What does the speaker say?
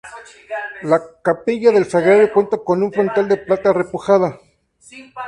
La capilla del sagrario cuenta con un frontal de plata repujada.